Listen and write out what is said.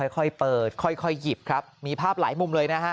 ค่อยเปิดค่อยหยิบครับมีภาพหลายมุมเลยนะฮะ